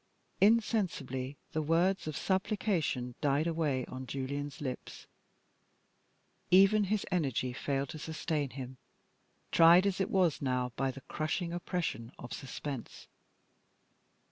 Insensibly the words of supplication died away on Julian's lips. Even his energy failed to sustain him, tried as it now was by the crushing oppression of suspense.